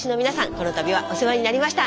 この度はお世話になりました。